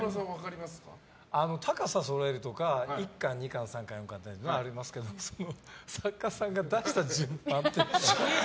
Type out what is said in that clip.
高さそろえるとか１巻、２巻とかはありますけど作家さんが出した順番って。